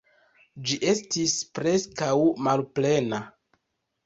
Ĝi estis preskaŭ malplena.